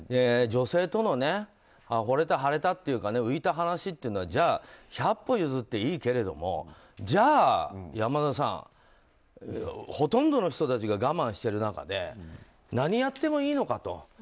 女生徒の惚れた腫れたというか浮いた話というのは百歩譲っていいけれどもじゃあ、山田さんほとんどの人たちが我慢している中で何やってもいいのか。